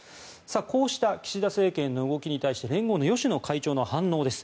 こうした岸田政権の動きに対して連合の芳野会長の反応です。